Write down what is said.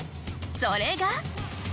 それが。